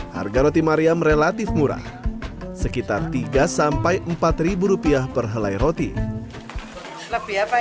harga roti maryam relatif murah sekitar tiga sampai empat rupiah perhelai roti lebih apa